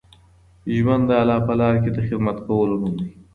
ژوند د الله په لاره کي د خدمت کولو نوم دی.